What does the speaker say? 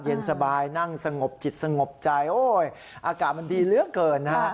เย็นสบายนั่งสงบจิตสงบใจโอ้ยอากาศมันดีเหลือเกินนะฮะ